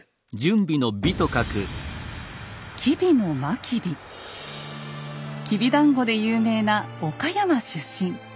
きびだんごで有名な岡山出身。